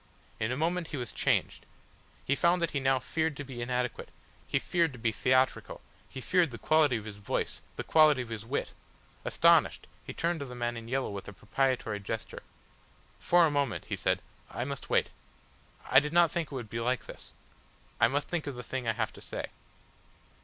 In a moment he was changed. He found that he now feared to be inadequate, he feared to be theatrical, he feared the quality of his voice, the quality of his wit; astonished, he turned to the man in yellow with a propitiatory gesture. "For a moment," he said, "I must wait. I did not think it would be like this. I must think of the thing I have to say."